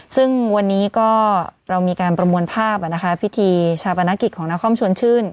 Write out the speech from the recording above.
ซึ่งวันนี้ก็เรามีการประมวลภาพพิธีชาปนกิจของนครชวนชื่น